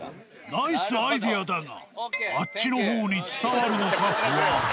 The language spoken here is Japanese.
ナイスアイデアだが、あっちのほうに伝わるのか不安。